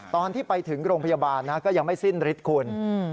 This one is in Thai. ตอนที่ไปถึงโรงพยาบาลก็ยังไม่สิ้นฤทธิ์คุณ